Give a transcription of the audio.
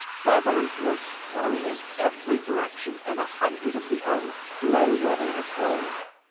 Feathers were strewn in every direction, and a hundred of the Uns lay where they had fallen.